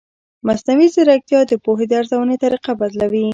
مصنوعي ځیرکتیا د پوهې د ارزونې طریقه بدلوي.